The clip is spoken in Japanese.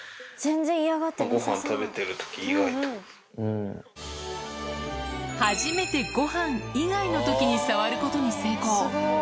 ごはん食べてるとき以外って初めてごはん以外のときに触ることに成功。